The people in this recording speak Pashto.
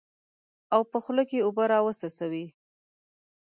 او په خوله کې اوبه راوڅڅوي.